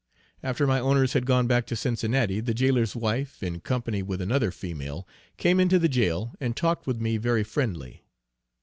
After my owners had gone back to Cincinnati, the jailor's wife, in company with another female, came into the jail and talked with me very friendly.